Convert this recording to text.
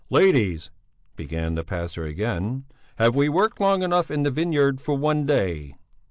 "Ladies," began the pastor again, "have we worked long enough in the vineyard for one day?"